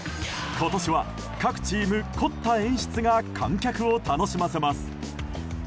今年は各チーム、凝った演出が観客を楽しませます。